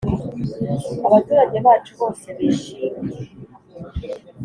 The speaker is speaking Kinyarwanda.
abaturage bacu bose bishimye